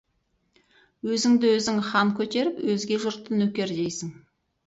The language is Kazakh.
Өзіңді-өзің хан көтеріп, өзге жұртты нөкер дейсің.